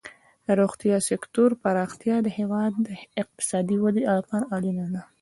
د روغتیا سکتور پراختیا د هیواد د اقتصادي ودې لپاره اړینه ده.